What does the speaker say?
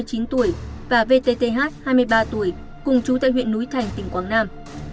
hai mươi chín tuổi và vtth hai mươi ba tuổi cùng chú tại huyện núi thành tỉnh quảng nam